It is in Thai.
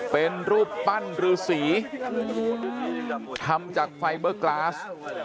เป็นรูปปั้นรือสีทำจากไฟเบอร์กลาส